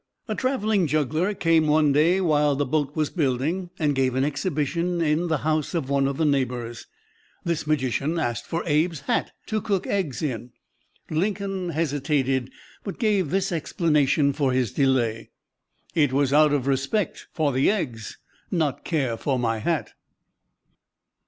A traveling juggler came one day while the boat was building and gave an exhibition in the house of one of the neighbors. This magician asked for Abe's hat to cook eggs in. Lincoln hesitated, but gave this explanation for his delay: "It was out of respect for the eggs not care for my hat!"